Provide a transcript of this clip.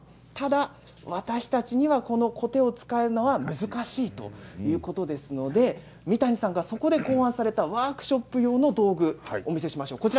ただ、私たちにはこのコテを使うのは難しいということで三谷さんが、そこで考案されたワークショップ用の道具お見せしましょう。